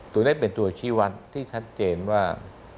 ตัวนี้เป็นตัวชี้วัดที่ชัดเจนว่า